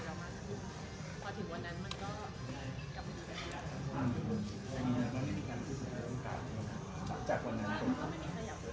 แต่ว่าด้วยสถานการณ์ต่างอย่างมันอาจจะมีการเข้าใจผิดกันบ้างอย่างไร